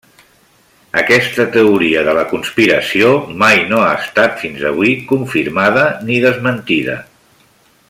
Aquesta teoria de la conspiració mai no ha estat, fins avui, confirmada ni desmentida.